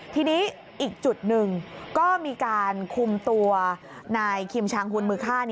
ทีนี้อีกจุดหนึ่งก็มีการคุมตัวนายคิมชางหุ่นมือฆ่า